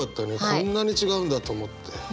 こんなに違うんだと思って。